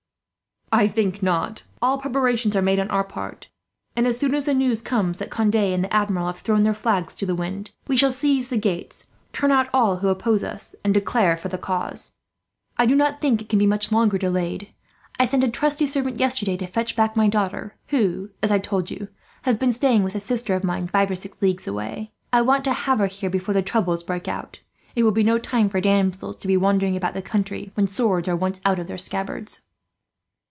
"I think not. All preparations are made on our part and, as soon as the news comes that Conde and the Admiral have thrown their flags to the wind, we shall seize the gates, turn out all who oppose us, and declare for the cause. I do not think it can be much longer delayed. I sent a trusty servant yesterday to fetch back my daughter; who, as I told you, has been staying with a sister of mine, five or six leagues away. I want to have her here before the troubles break out. It will be no time for damsels to be wandering about the country, when swords are once out of their scabbards."